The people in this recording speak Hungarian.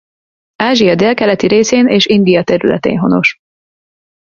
Ázsia délkeleti részén és India területén honos.